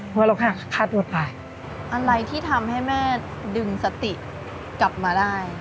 เพราะเราหักค่าตัวไปอะไรที่ทำให้แม่ดึงสติกลับมาได้